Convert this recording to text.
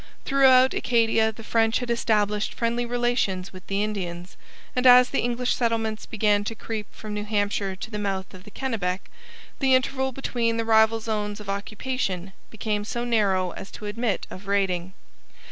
Throughout Acadia the French had established friendly relations with the Indians, and as the English settlements began to creep from New Hampshire to the mouth of the Kennebec, the interval between the rival zones of occupation became so narrow as to admit of raiding.